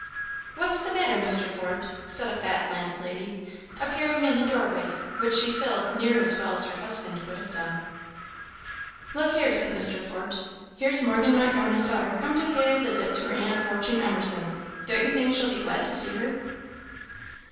"What's the matter, Mr. Forbes?" said a fat landlady, appearing in the doorway, which she filled near as well as her husband would have done. "Look here," said Mr. Forbes "here's Morgan Montgomery's daughter come to pay a visit to her aunt Fortune Emerson. Don't you think she'll be glad to see her?"